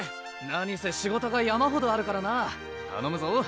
なにせ仕事が山ほどあるからなたのむぞ！